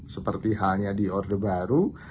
seperti halnya di orde baru